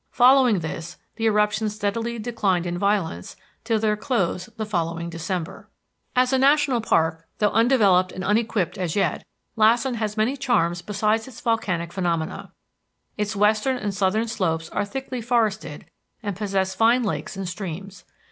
Following this, the eruptions steadily declined in violence till their close the following December. As a national park, though undeveloped and unequipped as yet, Lassen has many charms besides its volcanic phenomena. Its western and southern slopes are thickly forested and possess fine lakes and streams.